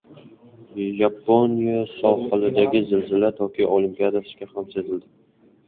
Yaponiya sohilidagi zilzila Tokio Olimpiadasida ham sezildi